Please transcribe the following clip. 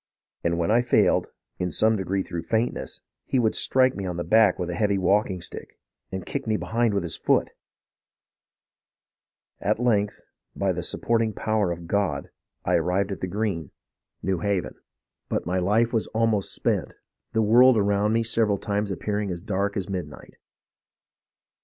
And when I failed, in some degree through faintness, he would strike me on the back with a heavy walking stick, and kick me behind with his foot. At length, by the supporting power of God, I arrived at the Green, f^ . en SUFFERINGS OF THE COMMON PEOPLE 269 New Haven. But my life was almost spent, the world around me several times appearing as dark as midnight.